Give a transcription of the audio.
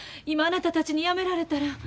今あなたたちにやめられたら。